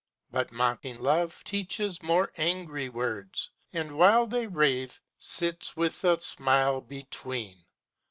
But mocking Love Teaches more angry words, and while they rave, Sits with a smile between!